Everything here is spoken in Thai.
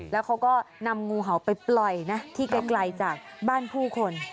แล้วเขาก็นำงูเห่าไปปล่อยนะที่ไกลจากบ้านผู้คน